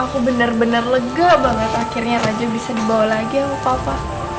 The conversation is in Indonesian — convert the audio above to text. aku benar benar lega banget akhirnya raja bisa dibawa lagi sama papa